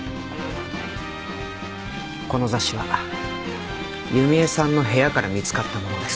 この雑誌は弓江さんの部屋から見つかったものです。